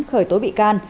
khởi tố bị can